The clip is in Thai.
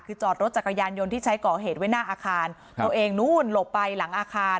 คือจอดรถจักรยานยนต์ที่ใช้ก่อเหตุไว้หน้าอาคารตัวเองนู้นหลบไปหลังอาคาร